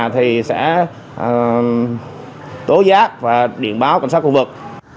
thì sẽ tố giác và điện báo cảnh sát khu vực